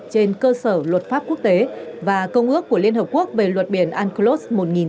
trên cơ sở luật pháp quốc tế và công ước của liên hợp quốc về luật biển unclos một nghìn chín trăm tám mươi hai